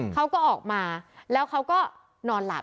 เขาก็ออกมาแล้วเขาก็นอนหลับ